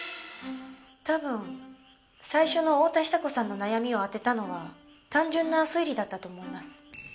多分最初の太田久子さんの悩みを当てたのは単純な推理だったと思います。